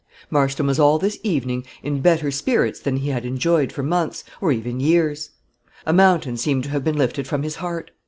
Marston was all this evening in better spirits than he had enjoyed for months, or even years. A mountain seemed to have been lifted from his heart.